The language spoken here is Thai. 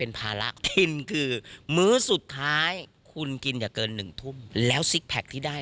ตอนนี้ใช้แรงบันดันใจอะไรอย่างไรพี่หอย